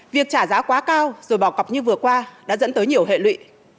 việc trả giá quá cao rồi bỏ cọc như vừa qua đã dẫn tới nhiều hệ lụy